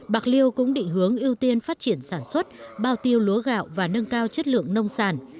bạc liêu cũng định hướng ưu tiên phát triển sản xuất bao tiêu lúa gạo và nâng cao chất lượng nông sản